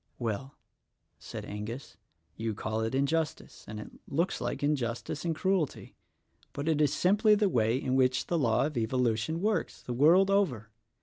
"Well," said Angus, "you call it injustice, and it looks like injustice and cruelty; but it is simply the way in which the law of evolution works — the world over.